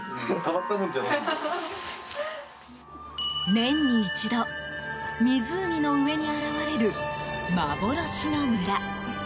年に一度湖の上に現れる幻の村。